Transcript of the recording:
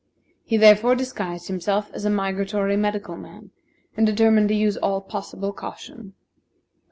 He therefore disguised himself as a migratory medical man, and determined to use all possible caution.